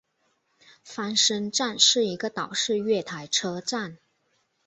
翻身站是一个岛式月台车站。